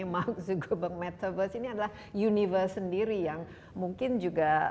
ini adalah universe sendiri yang mungkin juga